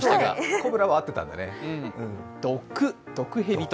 コブラは合ってたんだね。